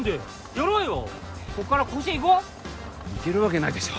やろうよこっから甲子園行こう行けるわけないでしょ